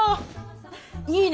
いいね。